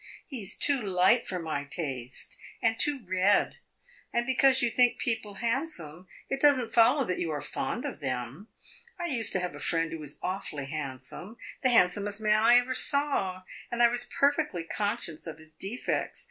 He 's too light for my taste, and too red. And because you think people handsome, it does n't follow that you are fond of them. I used to have a friend who was awfully handsome the handsomest man I ever saw and I was perfectly conscious of his defects.